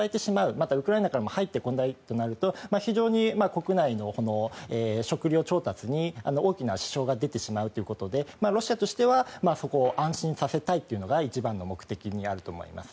また、ウクライナからも入ってこないとなると非常に国内の食糧調達に大きな支障が出てしまうということでロシアとしてはそこを安心させたいというのが一番の目的にあると思います。